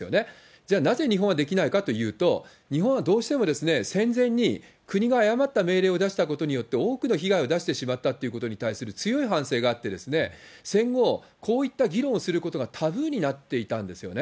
じゃあ、なぜ日本はできないかというと、日本はどうしても戦前に、国が誤った命令を出したことによって、多くの被害を出してしまったということに対する強い反省があって、戦後、こういった議論をすることがタブーになっていたんですよね。